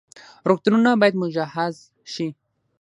روغتونونه باید مجهز شي